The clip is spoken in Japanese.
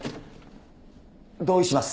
同意します。